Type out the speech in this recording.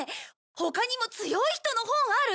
他にも強い人の本ある？